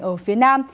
ở phía nam